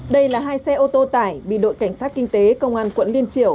đây là hai xe ô tô tải bị đội cảnh sát kinh tế công an quận liên triểu